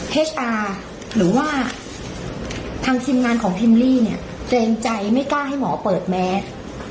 ชาหรือว่าทางทีมงานของพิมลี่เนี่ยเกรงใจไม่กล้าให้หมอเปิดแมส